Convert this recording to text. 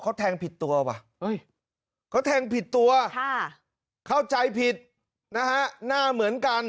เขาแทงผิดตัวว่ะเขาแทงผิดตัวเข้าใจผิดนะฮะหน้าเหมือนกัน